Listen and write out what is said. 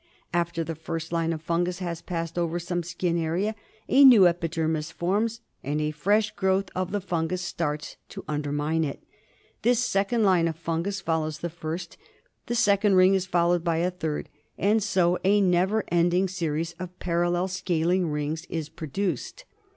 After the first line of fungus has passed over some skin area a new epidermis forms and a fresh growth of the fungus starts to ur^der mine it. This second line of fungus follows the first ; the second ring is followed by a third, and so a never ending series of parallel scaling rings is produced.